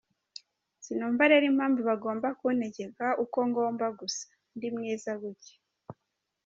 Sinumva rero impamvu bagomba kuntegeka uko ngomba gusa, ndi mwiza gutya ».